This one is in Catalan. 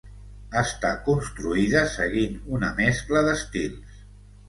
Està construïda seguint una mescla d'estils.